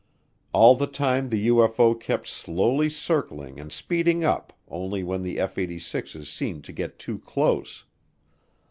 All the time the UFO kept slowly circling and speeding up only when the F 86's seemed to get too close.